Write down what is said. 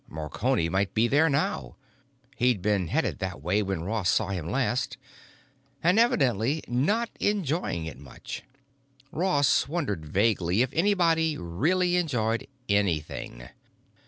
Marconi might be there now; he'd been headed that way when Ross saw him last. And evidently not enjoying it much. Ross wondered vaguely if anybody really enjoyed anything.